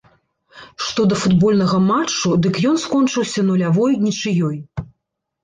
Што да футбольнага матчу, дык ён скончыўся нулявой нічыёй.